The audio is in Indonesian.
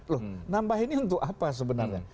loh nambah ini untuk apa sebenarnya